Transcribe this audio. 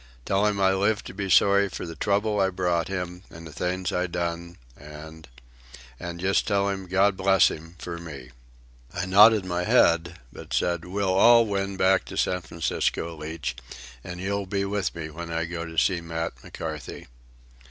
Tell him I lived to be sorry for the trouble I brought him and the things I done, and—and just tell him 'God bless him,' for me." I nodded my head, but said, "We'll all win back to San Francisco, Leach, and you'll be with me when I go to see Matt McCarthy."